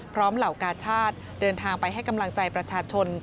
เหล่ากาชาติเดินทางไปให้กำลังใจประชาชน